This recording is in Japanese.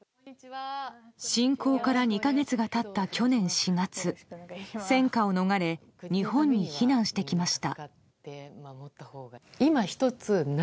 侵攻から２か月が経った去年４月戦火を逃れ日本に避難してきました。